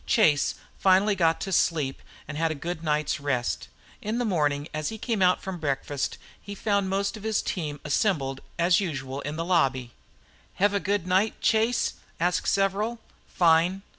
Chase finally got to sleep and had a good night's rest. In the morning as he came out from breakfast he found most of his team assembled as usual in the lobby. "Hev a good night, Chase?" asked several. "Fine.